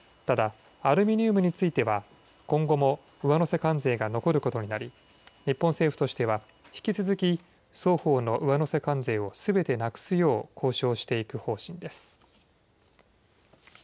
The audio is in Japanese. ただアルミニウムについては今後も上乗せ関税が残ることになり日本政府としては引き続き双方の上乗せ関税をすべてなくすよう交渉していく方針です。